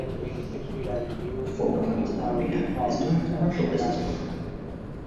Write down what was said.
The former plant at the Marina is now a commercial business park.